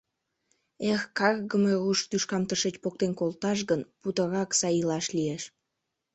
Эх, каргыме руш тӱшкам тышеч поктен колташ гын, путырак сай илаш лиеш.